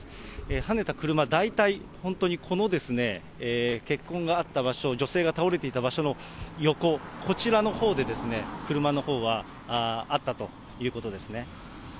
はねた車、大体、本当にこの血痕があった場所、女性が倒れていた場所の横、こちらのほうで、車のほうはあったということですね。